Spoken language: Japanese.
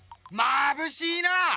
まぶしいな！